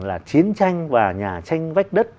là chiến tranh và nhà tranh vách đất